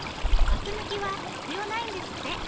あく抜きは必要ないんですって。